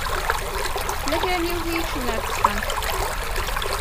Tella kra n yiwet i ikecmen ar texxamt.